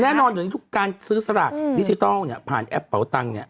แน่นอนอยู่ในทุกการซื้อสลากดิจิทัลผ่านแอปเปาตัง